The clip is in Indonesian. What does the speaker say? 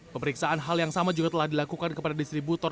pemeriksaan hal yang sama juga telah dilakukan kepada distributor